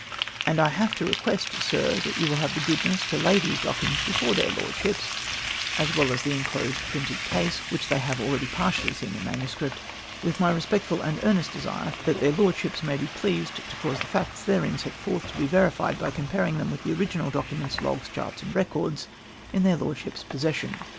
And I have to request, Sir, that you will have the goodness to lay these documents before their Lordships (as well as the inclosed printed case which they have already partly seen in manuscript), with my respectful and earnest desire that their Lordships may be pleased to cause the facts therein set forth to be verified by comparing them with the original documents, logs, charts, and records in their Lordships' possession.